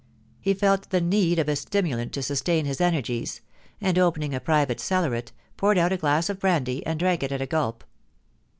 He felt the need of a stimulant to sustain his energies, and opening a private cellaret, poured out a glass of brandy, and drank it at a gulp.